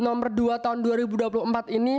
nomor dua tahun dua ribu dua puluh empat ini